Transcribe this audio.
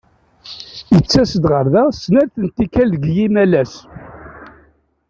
Ittas-d ɣer da snat n tikal deg yimalas.